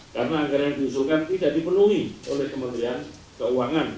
karena anggaran yang diusulkan tidak dipenuhi oleh kementerian keuangan